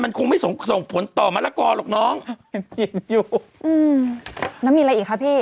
มันคงไม่ส่งส่งผลต่อมะละกอหรอกน้องกินอยู่อืมแล้วมีอะไรอีกคะพี่